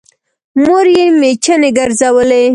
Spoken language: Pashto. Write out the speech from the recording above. مور يې مېچنې ګرځولې